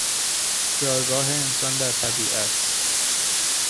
جایگاه انسان در طبیعت